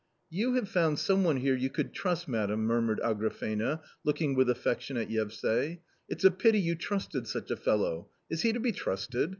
"You have found some one here you could trust, madam !" murmured Agrafena, looking with affection at Yevsay. " It's a pity you trusted such a fellow ; is he to be trusted